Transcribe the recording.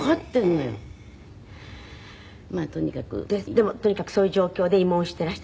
でもとにかくそういう状況で慰問していらしたでしょ。